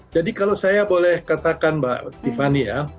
jadi kalau saya boleh katakan mbak tiffany ya